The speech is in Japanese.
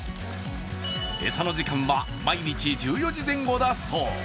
餌の時間は毎日１４時前後だそう。